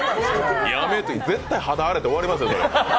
絶対、肌荒れて終わりますよ。